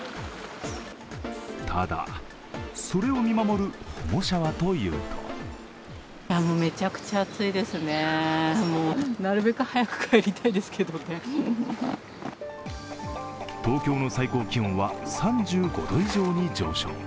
ただ、それを見守る保護者はというと東京の最高気温は３５度以上に上昇。